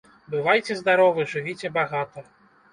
Бывайце здаровы, жывіце багата!